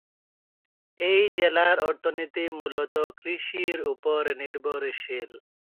এই জেলার অর্থনীতি মূলতঃ কৃষির ওপর নির্ভরশীল।